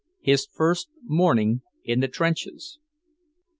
his first morning in the trenches.